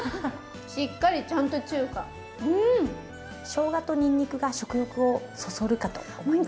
しょうがとにんにくが食欲をそそるかと思います。